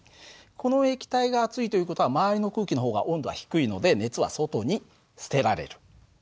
この液体が熱いという事は周りの空気の方が温度は低いので熱は外に捨てられる。